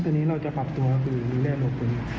ตอนนี้เราจะปรับตัวคือดูแลโลกคุณ